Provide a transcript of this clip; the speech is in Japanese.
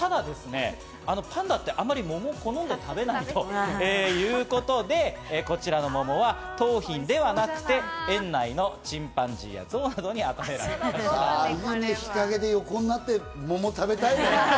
ただですね、パンダってあまり桃を好んで食べないということで、こちらの桃は桃浜ではなくて、園内のチンパンジーやゾウなどに贈られたということです。